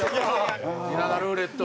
稲田ルーレット。